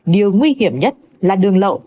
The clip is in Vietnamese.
điều nguy hiểm nhất là đường lậu